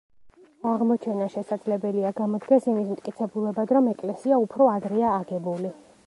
აღმოჩენა შესაძლებელია გამოდგეს იმის მტკიცებულებად, რომ ეკლესია უფრო ადრეა აგებული.